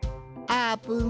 あーぷん！